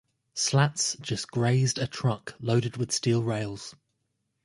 Slats just grazed a truck loaded with steel rails.